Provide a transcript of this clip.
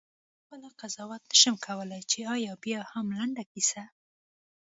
زه خپله قضاوت نه شم کولای چې آیا بیاهم لنډه کیسه؟ …